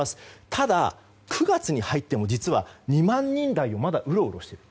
ただ９月に入っても２万人台をまだうろうろしている。